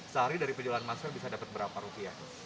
sehari dari penjualan masker bisa dapat berapa rupiah